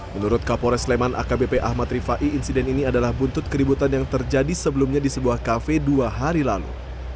menurut kapolres sleman akbp ahmad rifai insiden ini adalah buntut keributan yang terjadi sebelumnya di sebuah kafe dua hari lalu